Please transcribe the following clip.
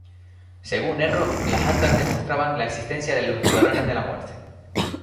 Según Erro, las actas demostraban la existencia de los Escuadrones de la Muerte.